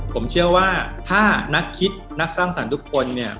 ผมเชื่อว่าถ้านักคิดนักสร้างสรรค์ทุกคนเนี่ย